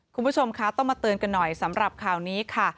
คุณผู้ชมคะต้องมาเตือนกันหน่อยสำหรับข่าวนี้ค่ะ